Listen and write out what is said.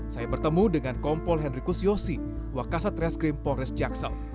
saya bertemu dengan kompol henrykus yosi wakasa trashcrim polres jaksel